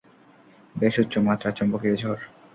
বেশ উচ্চমাত্ত্রার চৌম্বকীয় ঝড়!